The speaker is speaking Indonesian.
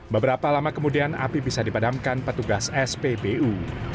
beberapa lama kemudian api bisa dipadamkan petugas spbu